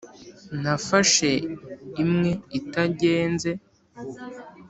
nafashe imwe itagenze,